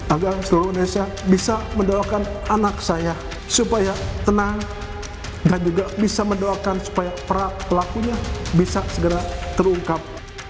agar seluruh indonesia bisa mendoakan anak saya supaya tenang dan juga bisa mendoakan supaya para pelakunya bisa segera terungkap